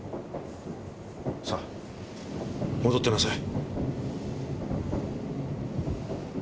さあ戻ってなさい。